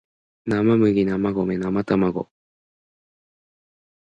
生麦生卵生卵